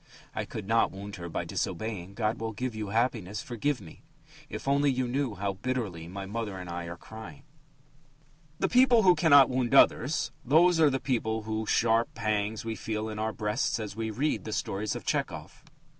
"I could not wound her by disobeying. God will give you happiness. Forgive me. If only you knew how bitterly my mother and I are crying!" The people who cannot wound others those are the people whose sharp pangs we feel in our breasts as we read the stories of Tchehov.